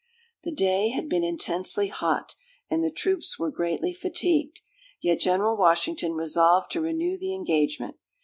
The day had been intensely hot, and the troops were greatly fatigued; yet General Washington resolved to renew the engagement.